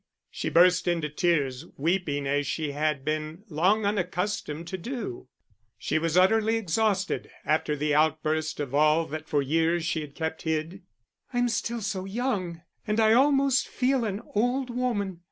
She burst into tears, weeping as she had been long unaccustomed to do; she was utterly exhausted after the outburst of all that for years she had kept hid. "I'm still so young, and I almost feel an old woman.